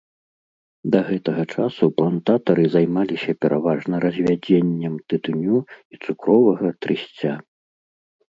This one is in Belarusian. Да гэтага часу плантатары займаліся пераважна развядзеннем тытуню і цукровага трысця.